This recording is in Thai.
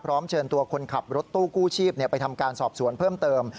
เชิญตัวคนขับรถตู้กู้ชีพไปทำการสอบสวนเพิ่มเติม